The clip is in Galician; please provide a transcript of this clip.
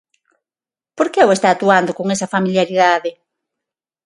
Por que o está atuando con esa familiaridade?